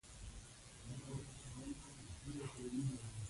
د مخته تللو څخه لاس واخیست.